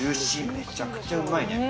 めちゃくちゃうまいね。